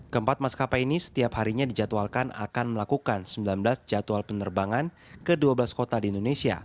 keempat maskapai ini setiap harinya dijadwalkan akan melakukan sembilan belas jadwal penerbangan ke dua belas kota di indonesia